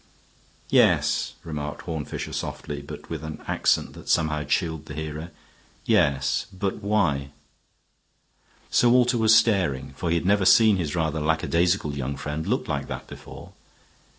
"Yes," remarked Horne Fisher, softly, but with an accent that somehow chilled the hearer. "Yes. But why?" Sir Walter was staring, for he had never seen his rather lackadaisical young friend look like that before.